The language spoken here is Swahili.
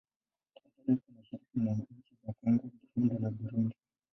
Tanzania ipo mashariki mwa nchi za Kongo, Rwanda na Burundi.